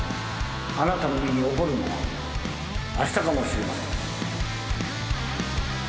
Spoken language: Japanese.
あなたの身に起こるのはあしたかもしれません。